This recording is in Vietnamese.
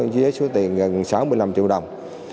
dưới số tiền gần sáu mươi năm triệu đồng